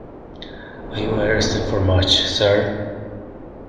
Are you arrested for much, sir?